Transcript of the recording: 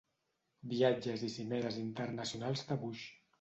Viatges i cimeres internacionals de Bush.